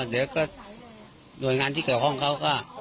เดี๋ยวก็หน่วยงานที่เกี่ยวข้องเขาก็